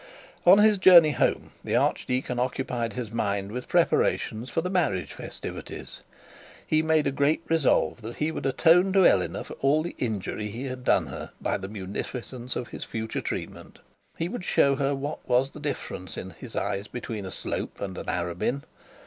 On his journey home the archdeacon occupied his mind with preparations for the marriage festivities. He made a great resolve that he would atone to Eleanor for all the injury he had done her by the munificence of his future treatment. He would show her what was the difference in his eyes between a Slope and an Arabin.